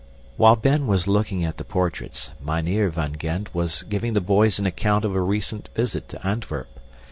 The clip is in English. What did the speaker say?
While Ben was looking at the portraits, Mynheer van Gend was giving the boys an account of a recent visit to Antwerp.